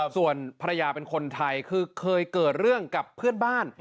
ส่วนภรรยาเป็นคนไทยคือเคยเกิดเรื่องกับเพื่อนบ้าน